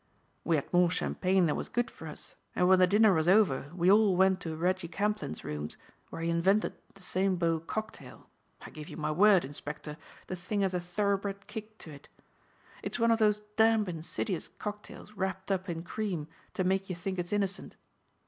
"We had more champagne than was good for us and when the dinner was over we all went to Reggie Camplyn's rooms where he invented the Saint Beau cocktail. I give you my word, inspector, the thing has a thoro'bred kick to it. It's one of those damned insidious cocktails wrapped up in cream to make you think it's innocent.